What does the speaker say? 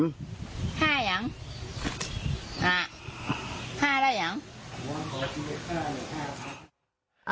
๕บอก๕แล้ว